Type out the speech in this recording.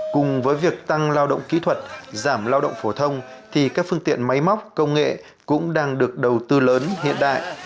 cùng với việc tăng lao động kỹ thuật giảm lao động phổ thông thì các phương tiện máy móc công nghệ cũng đang được đầu tư lớn hiện đại